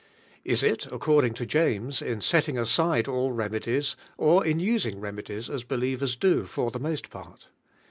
Is it, ac eording bo JameBj in setting aside fill remedies or in using remedies as believers do for the most part?